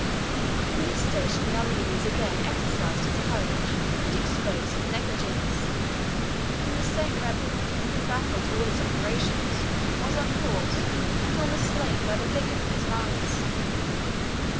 In this station the Armenians again exercised his courage and exposed his negligence; and the same rebel, who baffled all his operations, was unhorsed, and almost slain by the vigor of his lance.